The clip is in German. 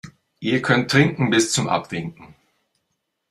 Ihr könnt trinken bis zum Abwinken.